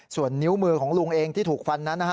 ส่วนนิ้วมือของลุงเองที่ถูกฟันนั้นนะฮะ